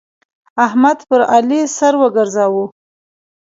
احمد پر علي سر وګرځاوو.